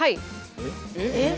えっ？